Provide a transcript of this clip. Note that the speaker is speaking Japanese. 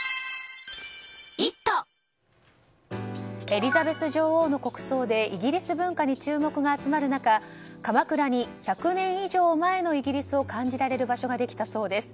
エリザベス女王の国葬でイギリス文化に注目が集まる中鎌倉に１００年以上前のイギリスを感じられる場所ができたそうです。